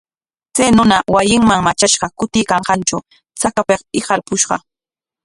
Chay runa wasinman matrashqa kutiykanqantraw chakapik hiqarpushqa.